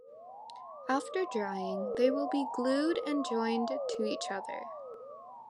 After drying, they will be glued and joined to each other.